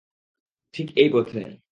ঠিক এই পথে।